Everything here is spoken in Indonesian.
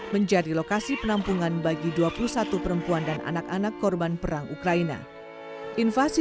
menjadi lokasi penampungan bagi dua puluh satu perempuan dan anak anak korban perang ukraina invasi